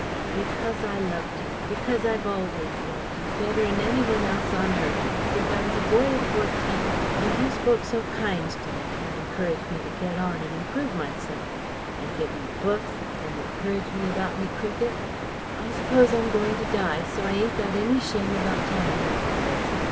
"Because I loved you, because I've always loved you, better'n any one else on earth since I was a boy of fourteen and you spoke so kind to me and encouraged me to get on and improve myself; and giv' me books, and encouraged me about me cricket. I suppose I'm going to die, so I ain't got any shame about tellin' you all this.